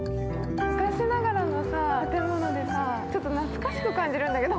昔ながらの建物でちょっと懐かしく感じるんだけど。